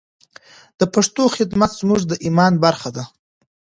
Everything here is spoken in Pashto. د پښتو خدمت زموږ د ایمان برخه ده.